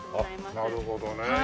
あっなるほどね。